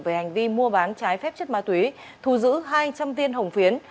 về hành vi mua bán trái phép chất ma túy thu giữ hai trăm linh tiên hồng phiến